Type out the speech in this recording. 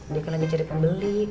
dia kan lagi jadi pembeli